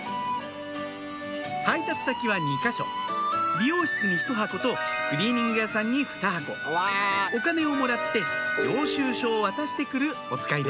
配達先は２か所美容室に１箱とクリーニング屋さんに２箱お金をもらって領収書を渡してくるおつかいです